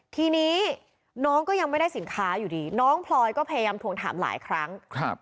ทีนี้น้องก็ยังไม่ได้สินค้าอยู่ดีน้องพลอยก็พยายามทวงถามหลายครั้ง